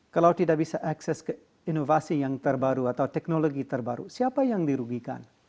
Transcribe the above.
kalau tidak bisa akses ke inovasi yang terbaru atau teknologi terbaru siapa yang dirugikan